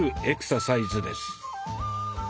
エクササイズです。